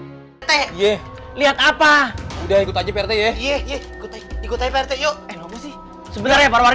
hai hai hai hai hai hai hai hai lihat apa udah ikut aja percaya yuk sebetulnya para